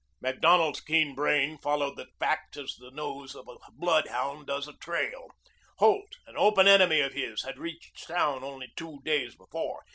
Macdonald's keen brain followed the facts as the nose of a bloodhound does a trail. Holt, an open enemy of his, had reached town only two days before.